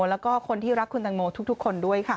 แล้วก็คนที่รักคุณตังโมทุกคนด้วยค่ะ